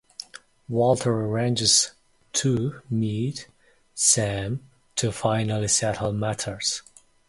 Walter arranges to meet Sam to finally settle matters.